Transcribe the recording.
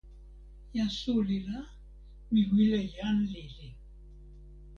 jan suli la, mi wile jan lili.